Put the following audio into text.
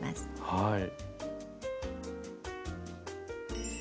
はい。